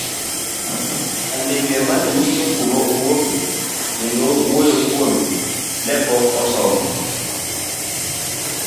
Andike mane ng'iso kuma owuoke kendo wuoyo kuome ne pok osomo.